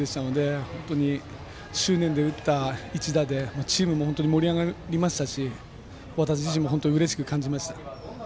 苦しんでいるキャプテンでしたので本当に執念で打った一打でチームも、盛り上がりましたし私自身もうれしく感じました。